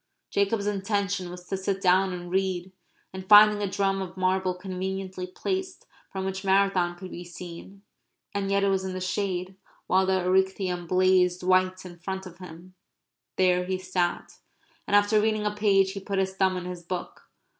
Jacob's intention was to sit down and read, and, finding a drum of marble conveniently placed, from which Marathon could be seen, and yet it was in the shade, while the Erechtheum blazed white in front of him, there he sat. And after reading a page he put his thumb in his book.